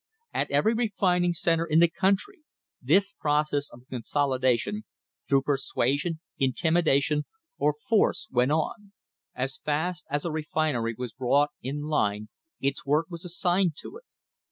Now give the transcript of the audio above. * At every refining centre in the country this process of con solidation through persuasion, intimidation, or force, went on. As fast as a refinery was brought in line its work was assigned to it.